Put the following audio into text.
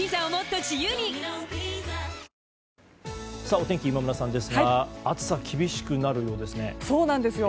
お天気、今村さんですが暑さ厳しくなるんですね。